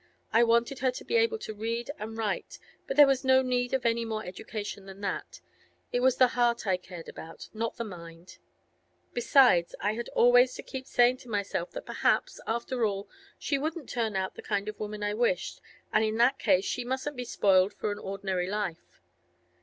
I wanted her to be able to read and write, but there was no need of any more education than that; it was the heart I cared about, not the mind. Besides, I had always to keep saying to myself that perhaps, after all, she wouldn't turn out the kind of woman I wished, and in that case she mustn't be spoiled for an ordinary life.